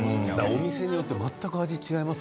お店によって全く味が違います